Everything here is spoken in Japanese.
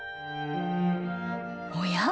おや？